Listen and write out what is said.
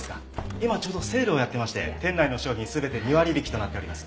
今ちょうどセールをやってまして店内の商品全て２割引となっております。